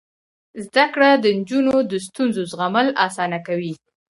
زده کړه د نجونو د ستونزو زغمل اسانه کوي.